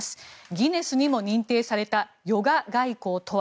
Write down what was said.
ギネスにも認定されたヨガ外交とは。